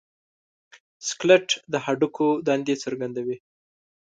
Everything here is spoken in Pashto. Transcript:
سکلیټ د هډوکو دندې څرګندوي.